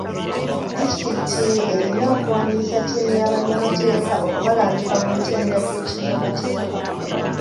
Disitulikiti erina okuwandiisa ttiimu ya bannamateeka okubalambika mu mitendera gy'ekinnamateeka.